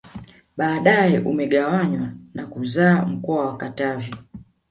Baadae umegawanywa na kuzaa mkoa wa Katavi